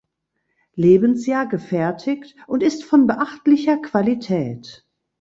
Lebensjahr gefertigt und ist von beachtlicher Qualität.